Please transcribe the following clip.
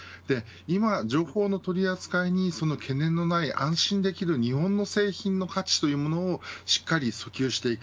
今、情報の取り扱いに懸念のない、安心できる日本の製品の価値というのをしっかり訴求していく。